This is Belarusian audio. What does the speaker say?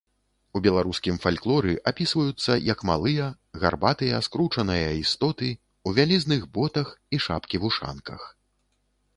У беларускім фальклоры апісваюцца як малыя, гарбатыя, скурчаныя істоты, у вялізных ботах і шапкі-вушанках.